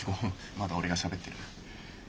まだ俺がしゃべってる。